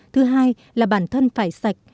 thứ hai là bản thân phải sạch